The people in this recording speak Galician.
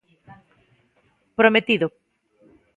Prometido.